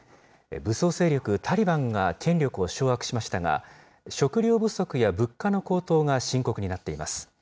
武装勢力タリバンが権力を掌握しましたが、食料不足や物価の高騰が深刻になっています。